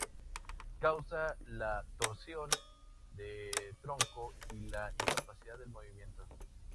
Causa la torsión de tronco y la incapacidad del movimiento.